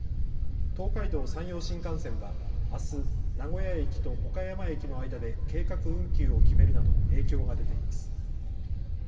東海道・山陽新幹線はあす名古屋駅と岡山駅の間で計画運休を決めるなど影響が出ています。